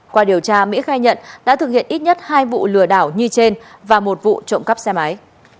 qua điều tra mỹ khai nhận đã thực hiện ít nhất hai vụ lừa đảo như trên và một vụ trộm cắp xe máy